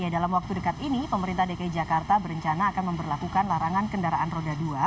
dalam waktu dekat ini pemerintah dki jakarta berencana akan memperlakukan larangan kendaraan roda dua